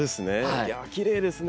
いやきれいですね。